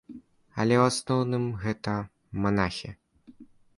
Але ў асноўным гэта манахі.